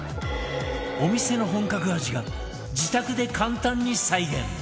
お店の本格味が自宅で簡単に再現！